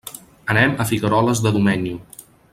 Anem a Figueroles de Domenyo.